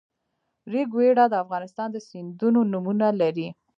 ریګویډا د افغانستان د سیندونو نومونه لري